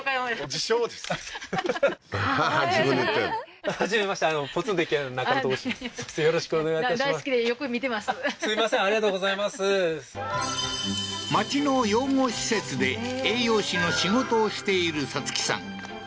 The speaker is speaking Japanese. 自分で言ってる街の養護施設で栄養士の仕事をしているさつきさん